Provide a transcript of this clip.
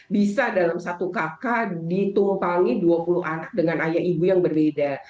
bisa dalam satu kakak ditumpangi dua puluh anak dengan ayah ibu yang berbeda